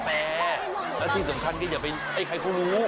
แต่แล้วที่สำคัญก็อย่าไปให้ใครเขารู้